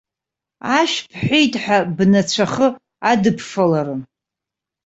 Ашә бҳәеит ҳәа, бнацәахы адыбфаларын!